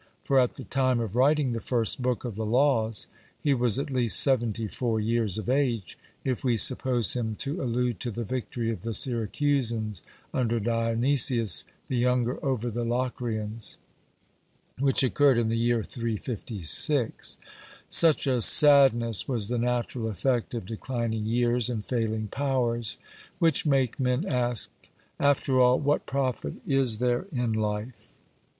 For at the time of writing the first book of the Laws he was at least seventy four years of age, if we suppose him to allude to the victory of the Syracusans under Dionysius the Younger over the Locrians, which occurred in the year 356. Such a sadness was the natural effect of declining years and failing powers, which make men ask, 'After all, what profit is there in life?'